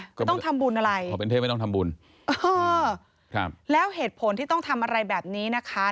ก็ต้องทำบุญอะไรอ๋อเป็นเทพไม่ต้องทำบุญเออครับแล้วเหตุผลที่ต้องทำอะไรแบบนี้นะคะ